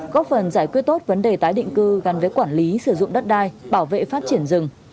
góp phần giải quyết tốt vấn đề tái định cư gắn với quản lý sử dụng đất đai bảo vệ phát triển rừng